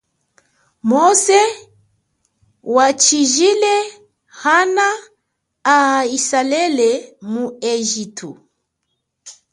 Mose wachijile ana a aizalele mu engitu.